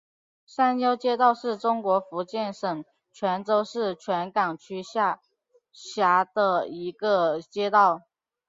山腰街道是中国福建省泉州市泉港区下辖的一个街道。